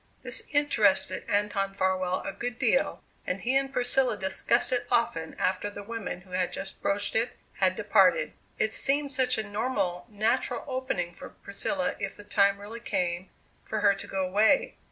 This interested Anton Farwell a good deal and he and Priscilla discussed it often after the woman who had just broached it had departed. It seemed such a normal, natural opening for Priscilla if the time really came for her to go away.